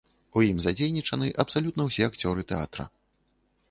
У ім задзейнічаны абсалютна ўсе акцёры тэатра.